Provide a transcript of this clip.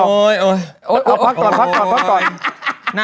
พักก่อน